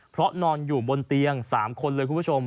เพราะนอนอยู่บนเตียง๓คนเลยคุณผู้ชม